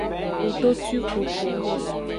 Ngtotwikuku.